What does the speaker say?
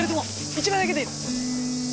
１枚だけでいいの！